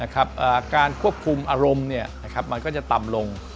การควบคุมอารมณ์มันก็จะต่ำลง